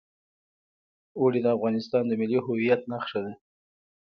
اوړي د افغانستان د ملي هویت نښه ده.